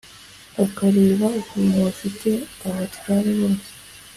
akareba ukuntu bafite abatware bose,